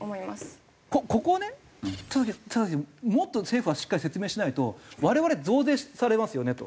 ここをね田さんもっと政府はしっかり説明しないと我々増税されますよねと。